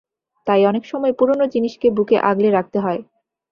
তাই অনেক সময় পুরোনো জিনিসকে বুকে আগলে রাখতে হয়।